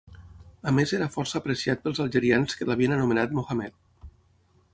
A més era força apreciat pels algerians que l'havien anomenat Mohammed.